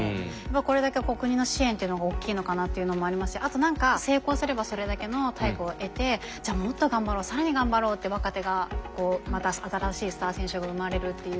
これだけ国の支援というのが大きいのかなっていうのもありますしあと何か成功すればそれだけの対価を得てじゃあもっと頑張ろう更に頑張ろうって若手がこうまた新しいスター選手が生まれるっていう。